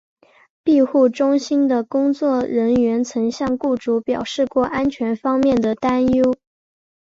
庇护中心的工作人员曾向雇主表示过安全方面的担忧。